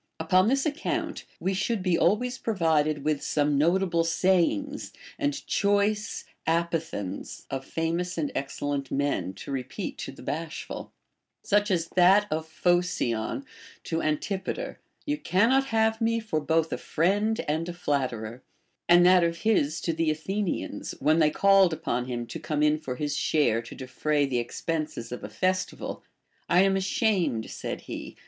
Upon this ac count we should be always provided Avith some notable sayings and choice apothegms of famous and excellent men, to repeat to the bashful, — such as that of Phocion to Antipater, You cannot have me for both a friend and a flatterer ; and that of his to the Athenians, when they called upon him to come in for his share to defray the ex penses of a festival ; I am ashamed, said he.